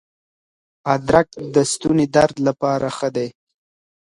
ادرک د ستوني درد لپاره ښه دی.